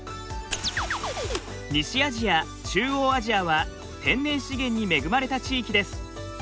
西アジア中央アジアは天然資源に恵まれた地域です。